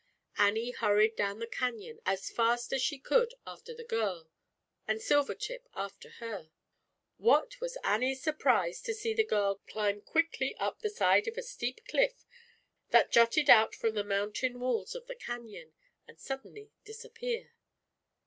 Annie hurried down the canyon as fast as she could after the girl, and Sil ip after her. What was Annie's sur ZAUBERLINDA, THE WISE WITCH, 195 </> prise to see the girl climb quickly up the r side of a steep cliff that jutte^)ult fro^n the mountain walls of the canyoifr, anct ^* suddenly disappear.